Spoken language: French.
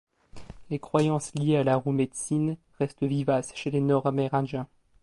Les croyances liées à la roue médecine restent vivaces chez les Nord-Amérindiens.